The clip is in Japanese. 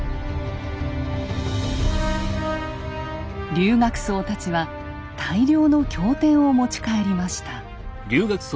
留学僧たちは大量の経典を持ち帰りました。